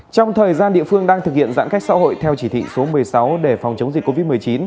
trong thời gian địa phương đang thực hiện giãn cách xã hội theo chỉ thị số một mươi sáu để phòng chống dịch covid một mươi chín